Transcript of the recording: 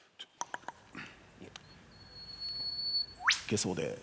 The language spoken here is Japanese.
いけそうです。